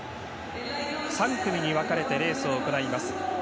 ３組に分かれてレースを行います。